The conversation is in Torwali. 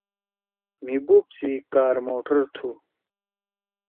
مھی بوپ سی کار موٹر تُھو۔